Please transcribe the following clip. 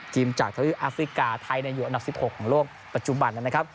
ทีมจากทวีปอัฟริกาไทยเนี่ยอยู่อันดับสิบหกของโลกปัจจุบันนะครับ